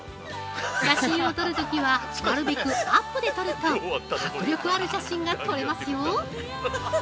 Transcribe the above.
写真を撮るときはなるべくアップで撮ると迫力ある写真が撮れますよ！